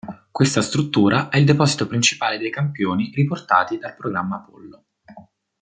Questa struttura è il deposito principale dei campioni riportati dal programma Apollo.